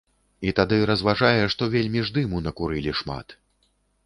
І тады разважае, што вельмі ж дыму накурылі шмат.